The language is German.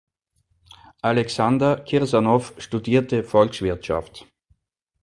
Alexander Kirsanow studierte Volkswirtschaft.